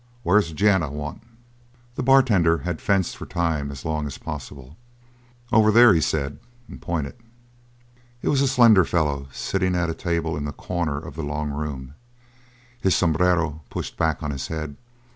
Where's the gent I want?" The bartender had fenced for time as long as possible. "Over there," he said, and pointed. It was a slender fellow sitting at a table in a corner of the long room, his sombrero pushed back on his head.